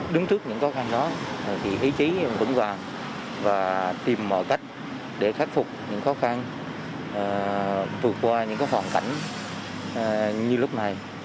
đứng trước những khó khăn đó thì ý chí vững vàng và tìm mọi cách để khắc phục những khó khăn vượt qua những hoàn cảnh như lúc này